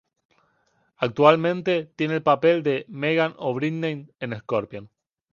Actualmente tiene el papel de Megan O´Brien en Scorpion.